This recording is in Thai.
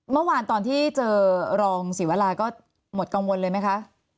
เมื่อวานตอนที่เจอรองศิวราก็หมดกังวลเลยไหมคะ